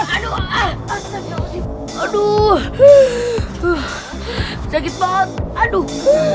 huuuhh jagi banget aduh